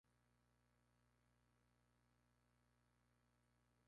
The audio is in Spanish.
En la localidad hay un establecimiento educativo con orientación agropecuaria.